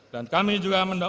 dan kami juga mendakwa